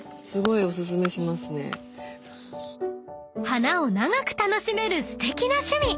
［花を長く楽しめるすてきな趣味］